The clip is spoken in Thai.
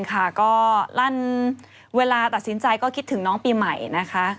ค่ะก็ลั่นเวลาตัดสินใจก็คิดถึงน้องปีใหม่นะคะ